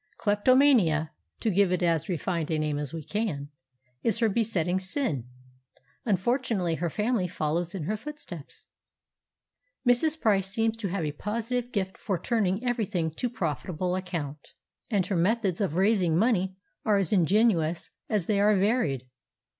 Kleptomania (to give it as refined a name as we can) is her besetting sin. Unfortunately her family follow in her footsteps. Mrs. Price seems to have a positive gift for turning everything to profitable account; and her methods of raising money are as ingenious as they are varied.